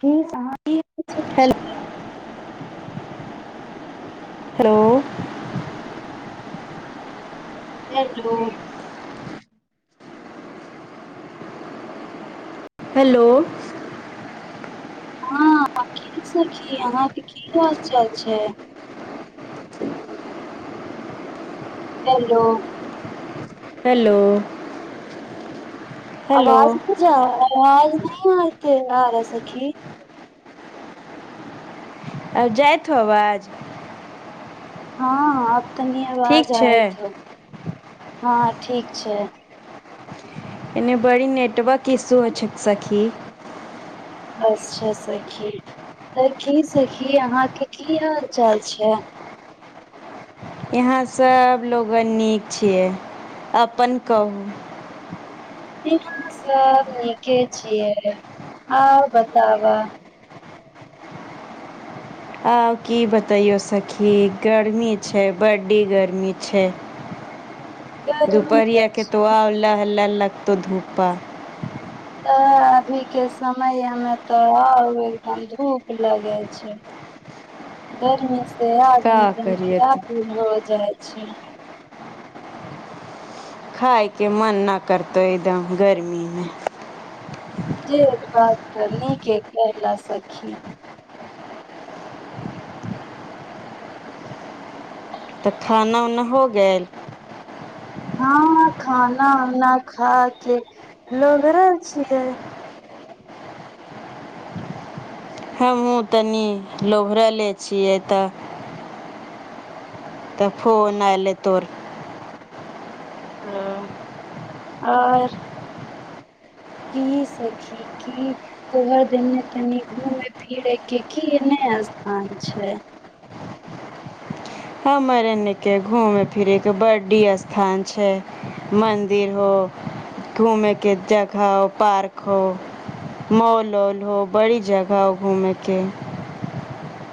ठी कह अहाँ ठीक हेल हेलो हेलो हेलो हँ की सखी अहाँके की हाल चाल छै हेलो हेलो हेलो आवाजत जा आवाज नहि आते आर सखी आ जायथ आवाज हँ हँ तनी आवाज ठीक छै आयत छो हँ ठीक छै एने बड़ी नेटवर्क इसु होइ छै सखी अच्छा सखी त की सखी अहाँके की हाल चाल छै यहाँ सभलोगन नीक छियै अपन कहू इहाँ सब नीके छियै आउ बताब आउ की बतैयौ सखी गर्मी छै बड्ड गर्मी छै गर्मी दुपहरिया के तऽ तोआल्ल लह लल् ल तो धुपा अभी के समय मे तऽ एकदम धूप लगै छै गरमी नया का करियै तऽ आदमी अच्छा खायके मन न करतै एकदम गर्मीमे जे बात नीक एक करला सखी तऽ खाना उना हो गेल हँ खाना उना खा के लोभरल छियै हमहु तनी लोभरले छियै तऽ तऽ फोन आयलै तोहर ओ आर कि सखी की तोहर देने तनि घूमय फिरे के की एने स्थान छै हमर एने के घूमे फिरे के बड्डी स्थान छै मंदिर हो घूमे के जगह हो पार्क हो मॉल आल हो बड़ी जगह हो घूमे के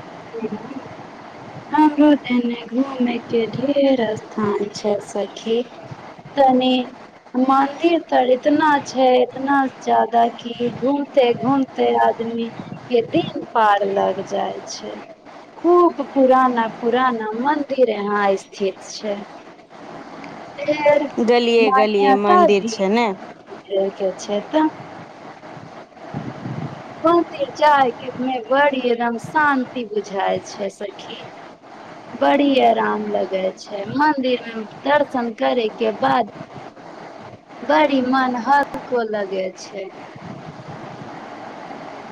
[inaudible] हमरो देने घूमे के ढेर स्थान छै सखी तनि मन्दिर तर इतना छै इतना जादा कि घूमते घूमते आदमी के दिन पार लाग जाइ छै खूब पुराना पुराना मन्दिर यहाँ स्थित छै फेर गलियै गलियै मान्यता मन्दिर भी छै ने के छै तऽ मन्दिर जायके मे बड़ी एकदम शान्ति बुझाय छै सखी बड़ी आराम लगै छै मन्दिर मे दर्शन करे के बाद बड़ी मन हल्को लगे छै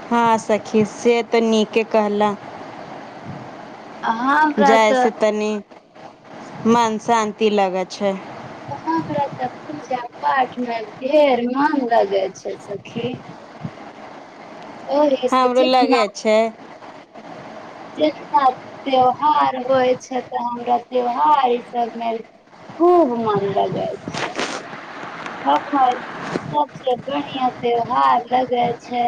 हँ सखी से तऽ नीके कहलह आ हमरा तऽ जायसे तनी मन शान्ति लागै छै [unintelligible] पार्टमेंट ढेर मग लगे छै सखी ओहि से हमरो लगे छै जरा त्यौहार होइ छै तऽ हमरा त्यौहार ई सभमे खूब मन लगै छै हमर सबसे बढ़िया त्यौहार लगै छै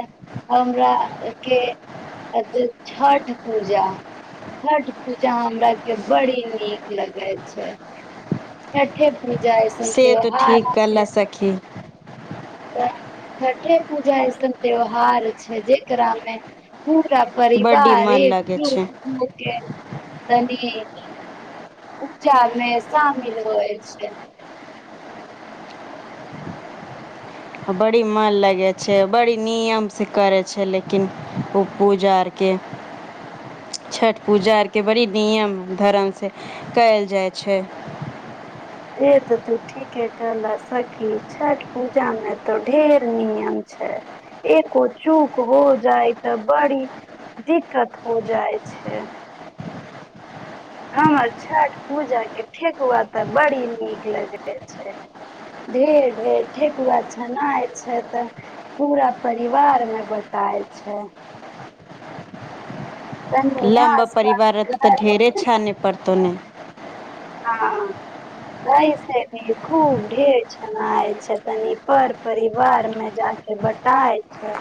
हमरा आर के छठ पूजा छठ पूजा हमरा के बड़ी नीक लगै छै छठे पूजा जाय सं त्यवहार ल सखी त छठे पूजा ऐसन त्यौहार छै जेकरामे पूरा बड्डी परिवार मन एक लगै छै। तनी उपचारमे शामिल होइ छै बड़ी मन लगै छै बड़ी नियमसँ करै छै लेकिन ओ पूजा अरके छठ पूजा अरके बड़ी नियम धरमसँ कयल जाइ छै से तऽ तू ठीके कहल सखी छठ पूजा में तऽ ढेर नियम छै एको चूक हो जाइ तऽ बड़ी दिक्कत हो जाइ छै हमर छठ पूजा के ठेकुआ तऽ बड़ी नीक लगै छै ढ़ेर ढेर ठेकुआ छनाय छै तऽ पूरा परिवार मे बटाइ छै कनि लम्बा आस पास परिवार त तऽ ढेरे छाने पड़त तने हँ ऐसे भी खूब ढेर छनाइ छै तनि पर परिवार मे जााके बटाइ छै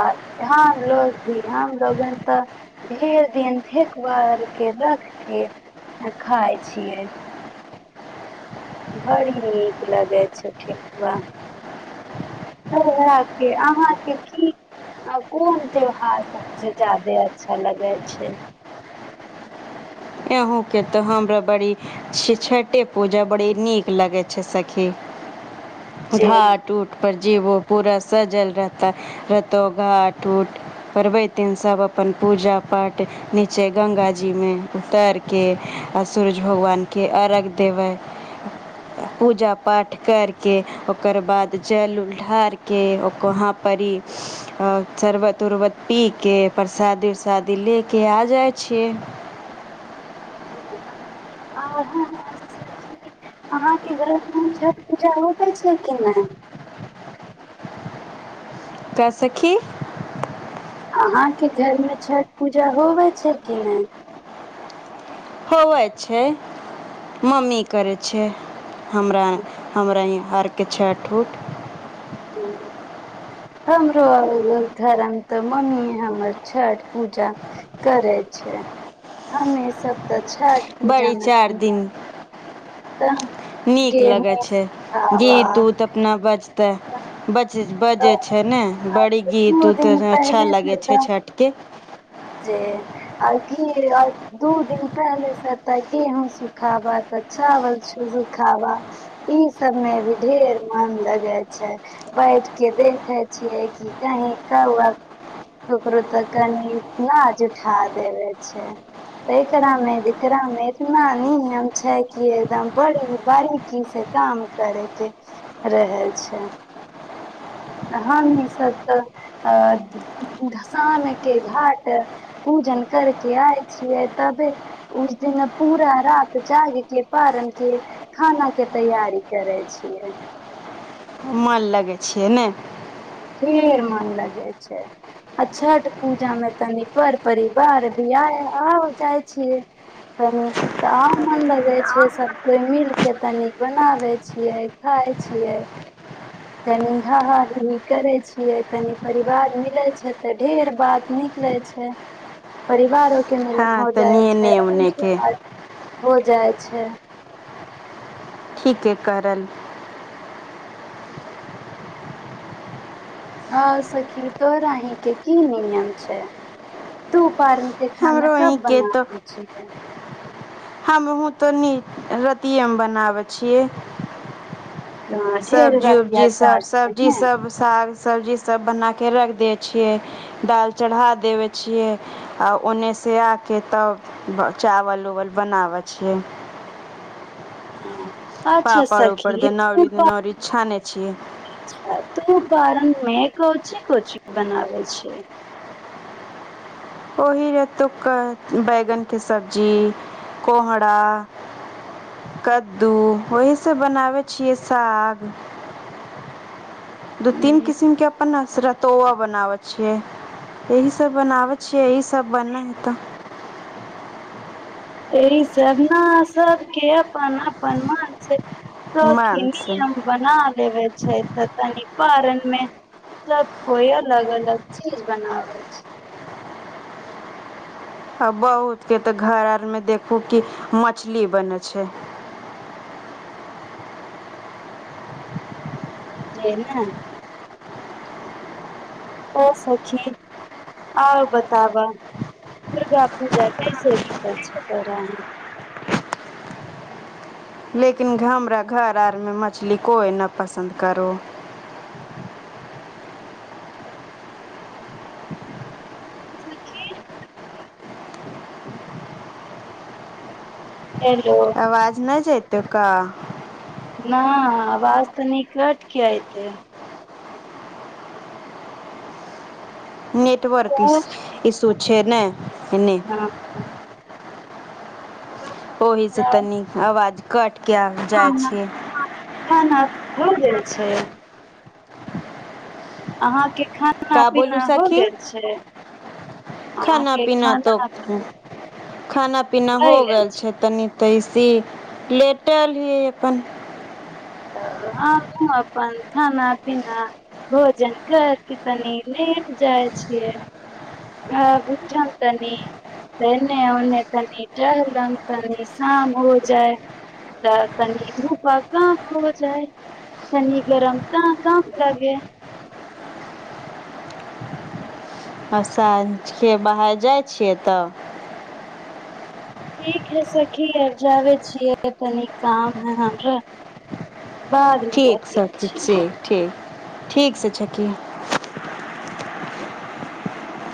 आ हम लोग भी हमलोगन तऽ भेर दिन ठेकुआ आरके रखके खााय छियै बड़ी नीक लगै छै ठेकुआ तएह अहाँके की कोन त्यौहार सबसे ज्यादे अच्छा लगै छै अँहके तऽ हमरा बड़ी छठे पूजा बड़ी नीक लगै छै सखी जी घाट ऊट पर जीबो पूरा सजल रहत रहतौ घाट उट परबैतन सब अपन पूजा पाठ नीचे गङ्गाजीमे उतारे केऽ आ सूरज भगवानके अर्घ देबै पूजा पाठ करि कऽ ओकर बाद जल उल ढारि केऽ वहाँ पर शरबत उर्बत पी के परसादी उरसादी ले के आ जाइ छियै आ अहाँके घरमे छठि पूजा होबै छै कि नहि क्या सखी अहाँके घरमे छठ पूजा होवै छै के नहि होवइ छै मम्मी करै छै हमरा हमरा आरके छठ उूठ हं हमरो धरम तऽ मम्मी हमर छठ पूजा करै छै हममे सब तऽ छठ बड़ी पूजामे चार दिन तऽ नीक लगै गेहूँ छै खावा, गीत उत अपना बजते बज बजै छै ने बड़ी गीत दू उत दिन अच्छा पहिले लागै से छै तऽ छठके जे आ घी दू दिन पहिले से तऽ गेहूँ सुखाबा तऽ चावल सुखाबा ई सबमें भी ढेर मन लगै छै बैठ के देखे छियै कि कहीं कौ ककरो तऽ कनि नाज उठा देवे छै एकरा मे जेरा मे इतना नियम छै कि एकदम बड़ी बारीकी से काम करे के रहे छै हमी सब तऽ अ शाम के घाट तऽ पूजन करके आय छियै तबे उस दिन पूरा रात जाग के पारण के खाना के तैयारी करै छियै माल लगै छियै ने फेर मन लगै छै आ छठ पूजा मे तनि पर परिवार भी आ आ जाइ छियै तनी तऽ आ मन लगै छै सब कोइ मिल के तनी बनाबै छियै खाय छियै तनि हा हीही करै छियै तनि परिवार मिलै छै तऽ ढेर बात निकले छै परिवार मेहनत हँ हो जाइ तनिये छै एने ओने के हो जाइ छै ठीके करल हँ सखी तोरा अहीं के की नियम छै तू पारन खाना हमरो अहीं कब बनाबै छै हमहुं तनि रतिएमे बनाबै छियै ढेर सब्जी रतिया उब्जी सब चार सब्जी सब साग सब्जी सब बनाके रखि दैत छियै दाल चढ़ा देबै छियै आ ओन्नेसँ आके तब चावल उवल बनाबैत छियै हँ पापड़ उपर दनवरी उनवरी छ ने छियै त बारणमे कोची कोची बनावै छियै ओहि रेतु कहै बैगन के सब्जी कोहराा कद्दू ओहीसँ बनाबै छियै साग दू तीन छियै किसम के अपनन असरतोआा बनाव छिय यही सभ बनाबै छियै यहीसभ बन हे तऽ एहि सब ना सबके अपन अपन मानस त मन से खीनी बना लेबै छै तऽ तनि पारन मे सब कोइ अलग अलग चीज बनाबै छै आ बहुतके तऽ घर आरमे देखू कि मछली बनै छै जइ ने ओ फकीर आउर बताब दुर्गा पूजा कैसे बितैय छै तोरा लेकिन घमरा घर आरमे मछली कोइ नहि पसन्द करू सखी ए सखि आवाज नहि जाइतौ का न आवाज तनी कैट को ऐतै नेटवर्क तो इसु इसु छैने बन्नी हाँ, ओहि स तनी आवाज घट किया जाइ छियै ह जे छै [inaudible] अहाँके खाना का बोलू पीना हो सखी गेल छै खाना अहाँके पीना तो खाना खाना पीना हो गेल छै तनी तैसी लेटयल हियै अपन हमहुँ अपन खाना पीना भोजन कर के तनी लेट जाइ छियै आ उठन तनि एने ओने तनि टहलन तनि शाम हो जाय तऽ तनी धूपक का हो जाइ तनी गरम त कम लगे आ साँझके बाहर जाइ छियै तऽ ठीक है सखी आब जाबै छियै तनी काम है हमरा बाद मे ठीक बतियाय सखी छी ठीक ठीक ठीकसँ छै छकि